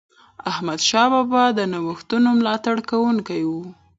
احمدشاه بابا د نوښتونو ملاتړ کوونکی و.